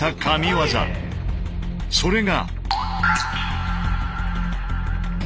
それが。